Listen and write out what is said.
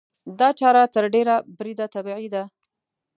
دا چاره تر ډېره بریده طبیعي ده.